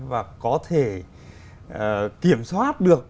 và có thể kiểm soát được